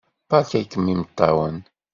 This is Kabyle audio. Beṛka-ken imeṭṭawen!